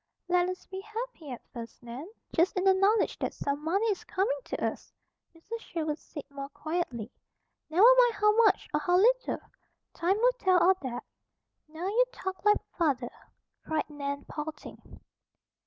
"Let us be happy at first, Nan, just in the knowledge that some money is coming to us," Mrs. Sherwood said more quietly. "Never mind how much, or how little. Time will tell all that." "Now you talk like father," cried Nan, pouting.